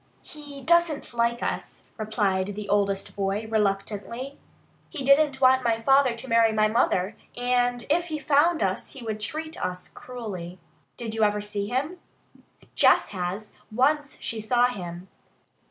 "He doesn't like us," replied the oldest boy reluctantly. "He didn't want my father to marry my mother, and if he found us he would treat us cruelly." "Did you ever see him?" "Jess has. Once she saw him."